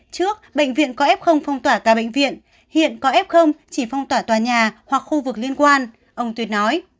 trước bệnh viện có f phong tỏa cả bệnh viện hiện có f chỉ phong tỏa tòa nhà hoặc khu vực liên quan ông tuyệt nói